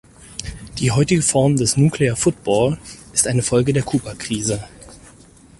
Die heutige Form des "Nuclear Football" ist eine Folge der Kubakrise.